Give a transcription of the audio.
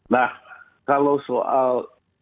nah kalau soal